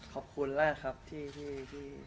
ขอบคุณแรกครับที่